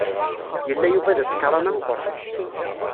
Yella Yuba d asekṛan ameqqran.